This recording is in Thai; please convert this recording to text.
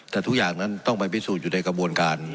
แต่ทุกอย่างนั้นต้องไปพิสูจน์อยู่ในกระบวนการ